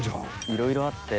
いろいろあって。